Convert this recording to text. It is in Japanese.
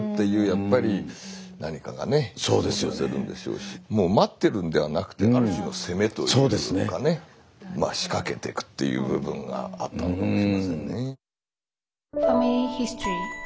やっぱり何かがねそうさせるんでしょうし待ってるんではなくてある種の攻めというかね仕掛けていくっていう部分があったのかもしれませんね。